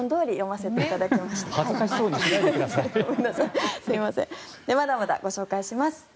まだまだご紹介します。